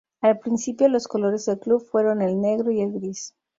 Al principio los colores del club fueron el negro y el gris.